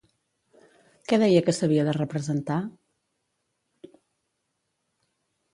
Què deia que s'havia de representar?